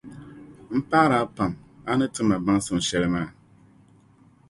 m paɣiri a pam a ni ti ma baŋsim shɛli maa.